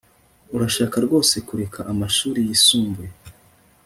Urashaka rwose kureka amashuri yisumbuye